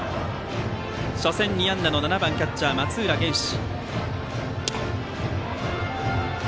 初戦２安打の７番キャッチャーの松浦玄士。